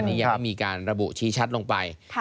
อันนี้ยังไม่มีการระบุชี้ชัดลงไป